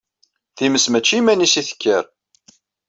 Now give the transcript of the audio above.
Times mačči iman-is i tekker.